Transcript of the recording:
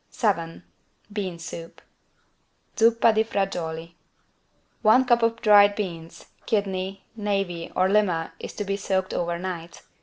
7 BEAN SOUP (Zuppa di fagiuoli) One cup of dried beans, kidney, navy or lima is to be soaked over night.